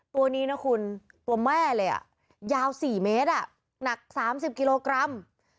ตัวนี้นะคุณตัวแม่เลยยาว๔เมตรหนัก๓๐กิโลกรัม